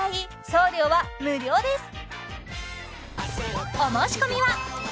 送料は無料です